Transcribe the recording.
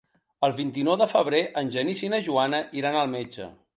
El vint-i-nou de febrer en Genís i na Joana iran al metge.